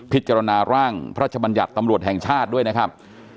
พิจารณาร่างพระราชบัญญัติตำรวจแห่งชาติด้วยนะครับ